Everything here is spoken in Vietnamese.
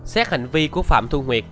xét hành vi của phạm thu nguyệt